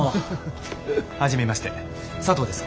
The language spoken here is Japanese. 初めまして佐藤です。